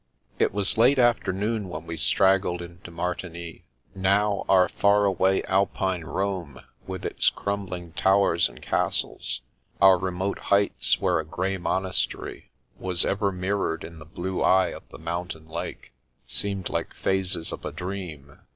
It was late afternoon when we straggled into Martigny. Now, our far away Alpine Rome with its crumbling towers and castles, our remote heights where a grey monastery was ever mirrored in the blue eye of the mountain lake, seemed like phases of a dream.